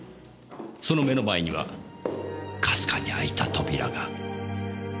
その目の前にはかすかに開いた扉が。